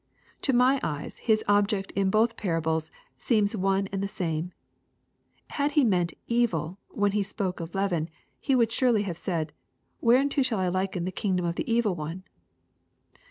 To my eyes His object in both parables seems one and the same. Had He meant, " evil," when He spoke of leaven. He would surely have said, " whereunto shall I liken, the kingdom of the evil one